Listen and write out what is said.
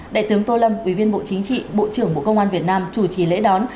đại tướng tô lâm ủy viên bộ chính trị bộ trưởng bộ công an việt nam chủ trì lễ đón